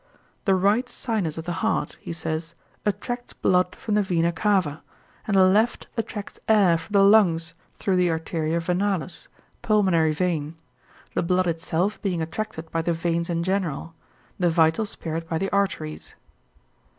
"The right sinus of the heart," he says, "attracts blood from the vena cava, and the left attracts air from the lungs through the arteria venalis (pulmonary vein), the blood itself being attracted by the veins in general, the vital spirit by the arteries."